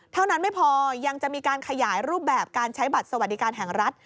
เท่านั้นไม่พอยังจะมีการขยายรูปแบบการใช้บัตรสวัสดิการแห่งรัฐ